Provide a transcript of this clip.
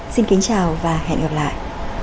xin kính chào và hẹn gặp lại